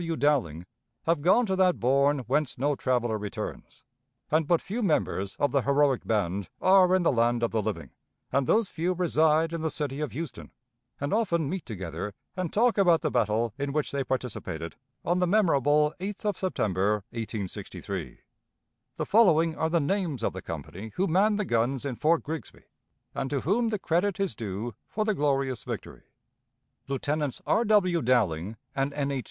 W. Dowling have gone to that bourn whence no traveler returns, and but few members of the heroic band are in the land of the living, and those few reside in the city of Houston, and often meet together, and talk about the battle in which they participated on the memorable 8th of September, 1863. "The following are the names of the company who manned the guns in Fort Grigsby, and to whom the credit is due for the glorious victory: "Lieutenants R. W. Dowling and N. H.